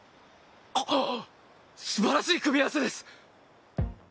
あっすばらしい組み合わせです！